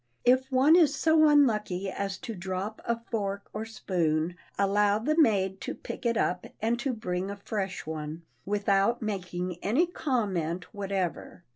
If one is so unlucky as to drop a fork or spoon, allow the maid to pick it up and to bring a fresh one, without making any comment whatever.